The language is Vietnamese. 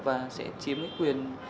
và sẽ chiếm cái quyền